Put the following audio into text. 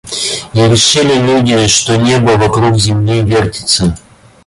И решили люди, что небо вокруг земли вертится.